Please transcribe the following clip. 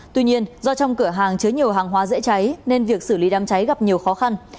tuy nhiên do trong cửa hàng chứa nhiều hàng hóa dễ cháy nên việc xử lý đám cháy gặp nhiều khó khăn